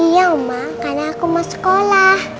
iya ombak karena aku mau sekolah